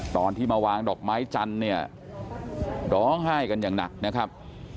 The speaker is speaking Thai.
ตอนที่มาวางดอกไม้จันทร์เนี่ยร้องไห้กันอย่างหนักนะครับ